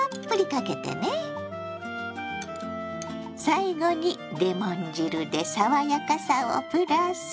最後にレモン汁で爽やかさをプラス。